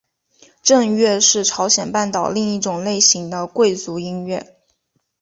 正乐是朝鲜半岛另一种类型的贵族音乐。